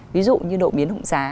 ví dụ như độ biến động giá